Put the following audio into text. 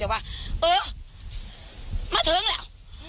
แต่ว่าเออมาถึงแล้ว